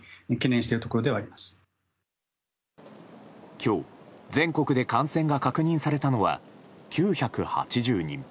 今日、全国で感染が確認されたのは９８０人。